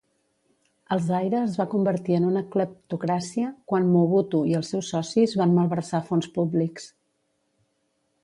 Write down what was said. El Zaire es va convertir en una cleptocràcia quan Mobutu i els seus socis van malversar fons públics.